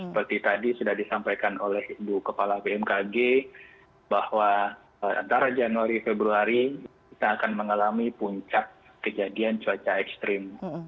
seperti tadi sudah disampaikan oleh ibu kepala bmkg bahwa antara januari februari kita akan mengalami puncak kejadian cuaca ekstrim